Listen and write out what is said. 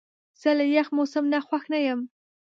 زه له یخ موسم نه خوښ نه یم.